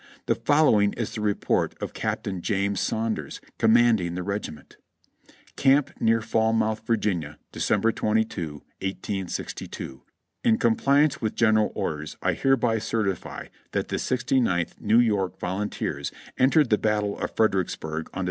The following is the report of Capt. James Saunders, Commanding the Regiment : "Camp near Falmouth, Va., Dec. 22. 1862. ''In compliance with general orders I hereby certify that the Sixty ninth New York Vols, entered the battle of Fredericksburg on Dec.